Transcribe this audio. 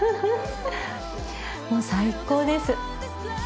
もう最高です。